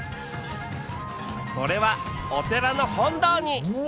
それはお寺の本堂に！